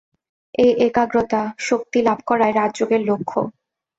এই একাগ্রতা-শক্তি লাভ করাই রাজযোগের লক্ষ্য।